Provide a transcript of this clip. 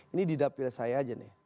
ini di dapil saya aja nih